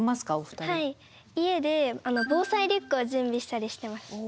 はい家で防災リュックを準備したりしてます。